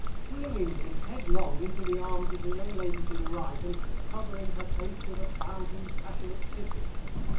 flinging him headlong into the arms of the young lady to the right and "covering her face with a thousand passionate kisses."